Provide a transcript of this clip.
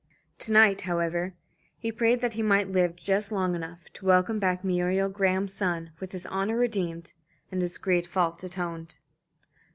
To night, however, he prayed that he might live just long enough to welcome back Muriel Graham's son with his honour redeemed and his great fault atoned.